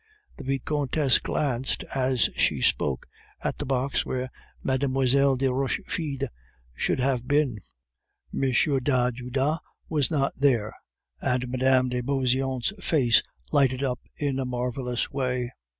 The Vicomtesse glanced as she spoke at the box where Mlle. de Rochefide should have been; M. d'Ajuda was not there, and Mme. de Beauseant's face lighted up in a marvelous way.